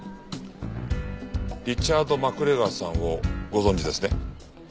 リチャード・マクレガーさんをご存じですね？